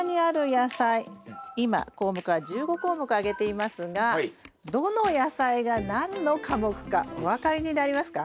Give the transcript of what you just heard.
今項目は１５項目挙げていますがどの野菜が何の科目かお分かりになりますか？